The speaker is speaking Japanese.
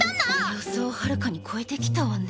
予想をはるかに超えてきたわね。